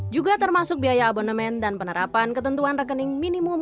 juga termasuk biaya abonemen dan penerapan ketentuan rekening minimum